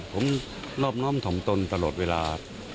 ผมรอบถ่อมตนตลอดเวลา